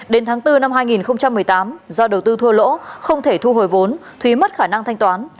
đến tháng bốn năm hai nghìn một mươi tám do đầu tư thua lỗ không thể thu hồi vốn thúy mất khả năng thanh toán